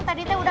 tadi teh udah